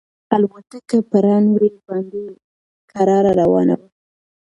الوتکه په رن وې باندې په کراره روانه وه.